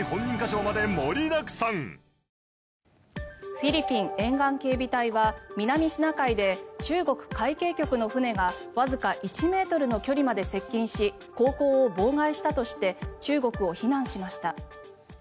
フィリピン沿岸警備隊は南シナ海で中国海警局の船がわずか１ｍの距離まで接近し航行を妨害したとして中国を非難しました。